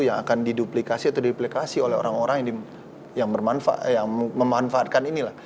yang akan diduplikasi atau di duplikasi oleh orang orang yang memanfaatkan ini